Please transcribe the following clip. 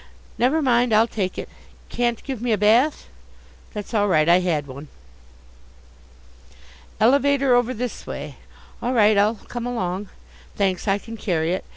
Never mind, I'll take it. Can't give me a bath? That's all right. I had one. Elevator over this way? All right, I'll come along. Thanks, I can carry it.